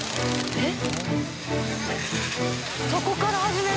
えっ！